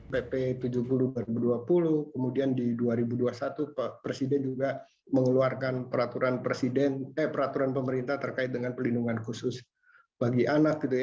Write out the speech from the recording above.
pp tujuh puluh dua ribu dua puluh kemudian di dua ribu dua puluh satu presiden juga mengeluarkan peraturan pemerintah terkait dengan pelindungan khusus bagi anak